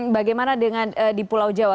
bagaimana dengan di pulau jawa